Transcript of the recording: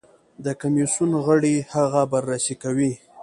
د کمېسیون غړي هغه بررسي کوي.